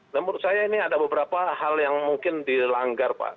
nah menurut saya ini ada beberapa hal yang mungkin dilanggar pak